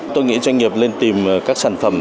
tôi nghĩ doanh nghiệp lên tìm các sản phẩm